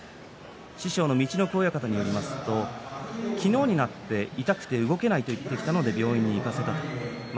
師匠の陸奥親方によりますと昨日になって痛くて動けないと言ってきました病院に行かせたそうです。